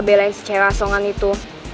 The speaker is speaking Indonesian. belain si cewek asongan itu